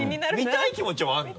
見たい気持ちはあるの？